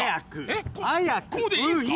えっこうでいいんすか？